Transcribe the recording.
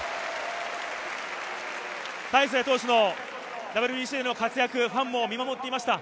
大勢投手のＷＢＣでの活躍、ファンも見守っていました。